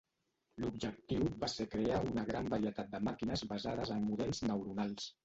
L'objectiu va ser crear una gran varietat de màquines basades en models neuronals.